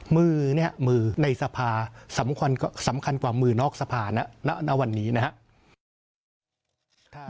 มือเนี่ยมือในสภาสำคัญกว่ามือนอกสภานะณวันนี้นะครับ